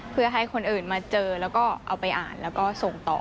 เพื่อให้คนอื่นมาเจอแล้วก็โส่งต่อ